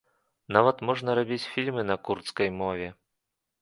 Нават можна рабіць фільмы на курдскай мове.